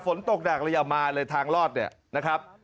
ฝนตกหนักระยะมาเลยทางลอดนี่นะครับ